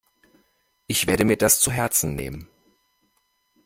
Ich werde mir das zu Herzen nehmen.